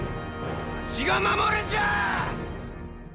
わしが守るんじゃ！